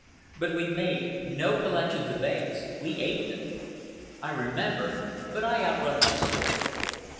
But we made no collections of eggs. We ate them. I remember—but I out run my story.